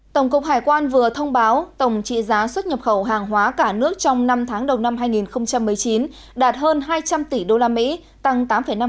tổng cục hải quan vừa thông báo tổng trị giá xuất nhập khẩu hàng hóa cả nước trong năm tháng đầu năm hai nghìn một mươi chín đạt hơn hai trăm linh tỷ usd tăng tám năm